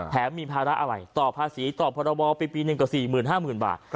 แถมมีภาระอะไรต่อภาษีต่อพระบอบปีนึงก็๔๐๐๐๐๕๐๐๐๐บาท